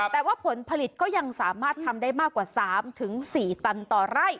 แต่ว่าผลผลิตก็ยังสามารถทำได้มากกว่า๓๔ตันต่อไร่